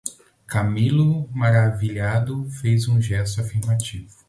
Camilo, maravilhado, fez um gesto afirmativo.